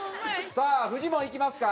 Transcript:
さあフジモンいきますか？